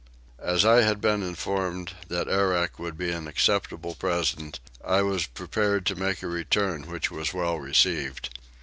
As I had been informed that arrack would be an acceptable present I was prepared to make a return which was well received.